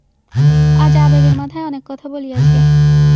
আজ আবেগের মাথায় অনেক কথা বলিয়াছে।